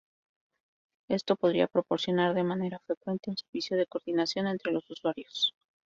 Esto podría proporcionar de manera frecuente un servicio de coordinación entre los usuarios.